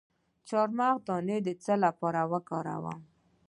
د چارمغز دانه د څه لپاره وکاروم؟